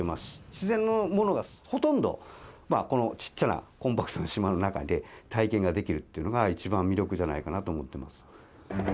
自然のものがほとんど、この小っちゃなコンパクトな島の中で体験ができるってのが一番魅力じゃないかなと思ってます。